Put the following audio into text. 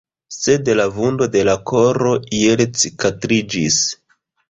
Sed la vundo de la koro iel cikatriĝis.